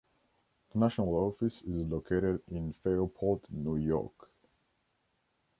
The National Office is located in Fairport, New York.